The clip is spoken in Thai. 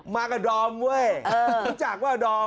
มากับดอมเพราะจากว่าดอม